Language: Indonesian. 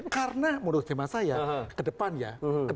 karena menurut tema saya ke depan ya